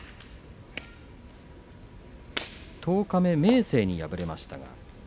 十日目、明生に敗れました。